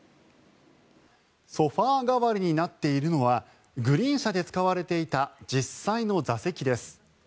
ソファ代わりになっているのはグリーン車で使われていた実際の座席です。